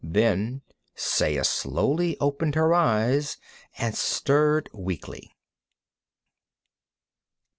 Then Saya slowly opened her eyes and stirred weakly.